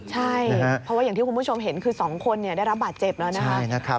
ใช่เพราะว่าอย่างที่คุณผู้ชมเห็นคือ๒คนได้รับบาดเจ็บแล้วนะคะ